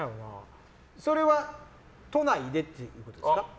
それは都内でってことですか？